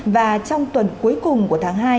và trong tuần cuối cùng của tháng hai